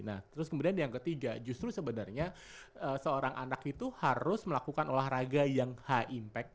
nah terus kemudian yang ketiga justru sebenarnya seorang anak itu harus melakukan olahraga yang high impact